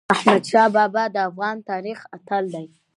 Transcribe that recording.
احمدشاه بابا د افغان تاریخ اتل دی.